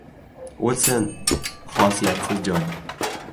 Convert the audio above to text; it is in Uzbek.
O‘lsin! Xosiyatsiz joy!